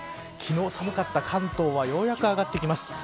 昨日寒かった関東はようやく上がってきます。